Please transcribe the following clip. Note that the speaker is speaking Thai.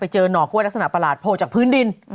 เจอหน่อกล้วยลักษณะประหลาดโผล่จากพื้นดิน